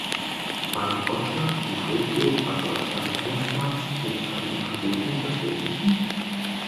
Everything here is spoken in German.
Beim Boccia in Tokio war Deutschland erstmals mit einem Athleten vertreten.